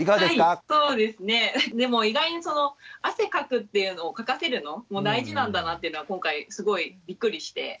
でも意外に汗かくっていうのをかかせるのも大事なんだなっていうのは今回すごいびっくりして。